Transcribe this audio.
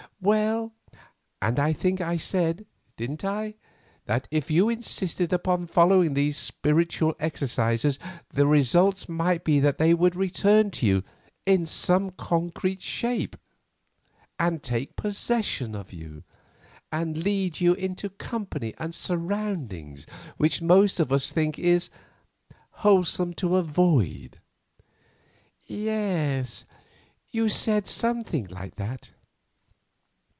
"Well, and I think I said—didn't I? that if you insisted upon following these spiritual exercises, the result might be that they would return upon you in some concrete shape, and take possession of you, and lead you into company and surroundings which most of us think it wholesome to avoid." "Yes, you said something like that."